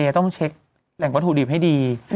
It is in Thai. จะต้องเช็คแหล่งวัตถุดิบให้ดี